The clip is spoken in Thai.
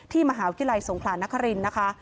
ที่มหาวิทยาลัยสงครานครินทร์